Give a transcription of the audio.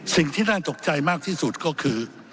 สิ่งที่น่าตกใจมากที่สุดก็คือ